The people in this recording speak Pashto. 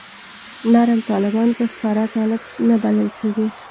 نرم طالبان په ښکاره طالب نه بلل کېږي.